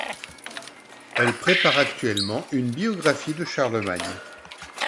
Elle prépare actuellement une biographie de Charlemagne.